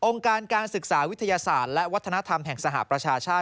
การการศึกษาวิทยาศาสตร์และวัฒนธรรมแห่งสหประชาชาติ